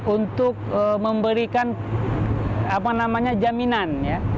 untuk memberikan jaminan